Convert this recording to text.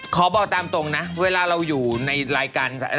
ขอบอกตามตรงนะเวลาเราอยู่ในรายการ